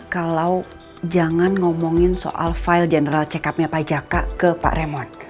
kalau jangan ngomongin soal file general check up nya pak jaka ke pak remod